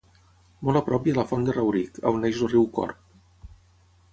Molt a prop hi ha la font de Rauric, on neix el riu Corb.